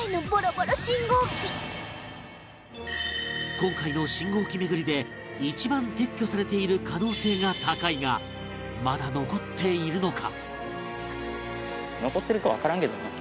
今回の信号機巡りで一番撤去されている可能性が高いがまだ残っているのか？